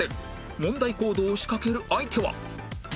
問題行動を仕掛ける相手は？